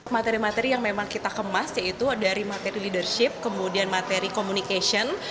materi materi yang memang kita kemas yaitu dari materi leadership kemudian materi communication